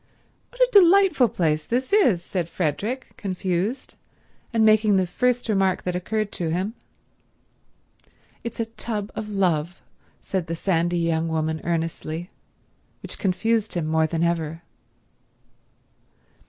"What a delightful place this is," said Frederick, confused, and making the first remark that occurred to him. "It's a tub of love," said the sandy young woman earnestly; which confused him more than ever.